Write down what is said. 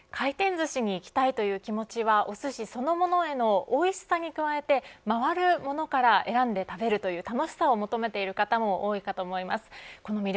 回転ずしに行きたいという気持ちはおすしそのものへのおいしさに加えてあるものから選んで食べるという楽しさを求めている方も多いと思います。